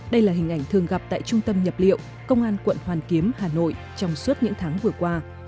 đây là hình ảnh thường gặp tại trung tâm nhập liệu công an quận hoàn kiếm hà nội trong suốt những tháng vừa qua